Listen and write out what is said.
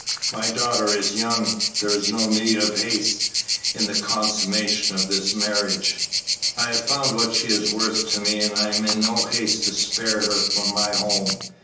My daughter is young; there is no need of haste in the consummation of this marriage. I have found what she is worth to me, and I am in no haste to spare her from my home.